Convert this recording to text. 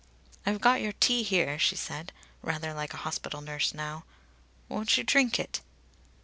"I've got your tea here," she said, rather like a hospital nurse now. "Won't you drink it?"